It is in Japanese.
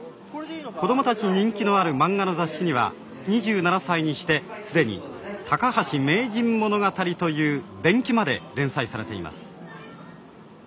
子供たちに人気のある漫画の雑誌には２７歳にしてすでに『高橋名人物語』という伝記まで連載されています」。